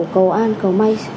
cầu an cầu may